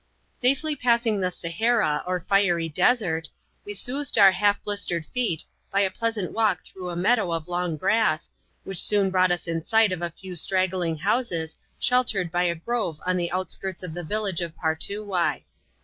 Safely passing the Sahara, or Fiery Desert, we soothed oar half blistered feet by a pleasant walk through a meadow of long grass, which soon brought us in sight of a few straggling houses, sheltered by a grove on the outskirts of the village of Partoowye.